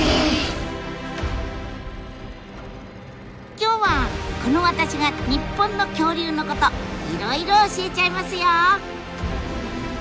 今日はこの私が日本の恐竜のこといろいろ教えちゃいますよ。